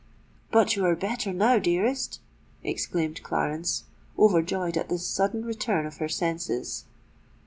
"But you are better now, dearest?" exclaimed Clarence, overjoyed at this sudden return of her senses.